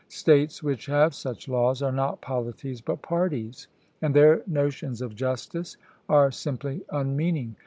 States which have such laws are not polities but parties, and their notions of justice are simply unmeaning.